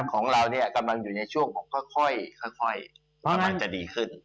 ของเราเนี่ยกำลังอยู่ในช่วงของค่อยกำลังจะดีขึ้น